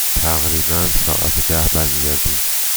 تقریبا ساعت ده برمی گردم.